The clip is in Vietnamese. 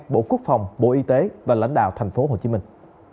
bộ quốc phòng bộ y tế và lãnh đạo thành phố hồ chí minh